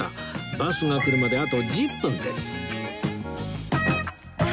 バスが来るまであと１０分です